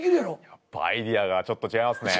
やっぱアイデアがちょっと違いますね。